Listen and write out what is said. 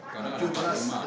kadang ada empat lima